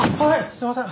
すみません。